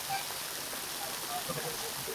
তাকে সত্যটা বলেছি।